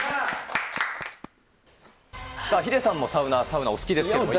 ヒデさんもサウナー、サウナお好きですけれども。